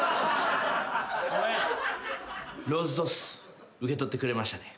ローズトス受け取ってくれましたね。